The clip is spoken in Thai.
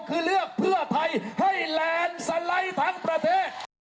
คือเลือกเพื่อไทยให้แลนด์สไลด์ทั้งประเทศ